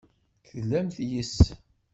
Teglamt yes-s.